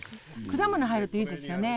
果物入るといいですよね。